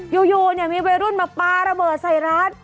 อยู่มีวัยรุ่นมาปลาระเบิดใส่ร้าน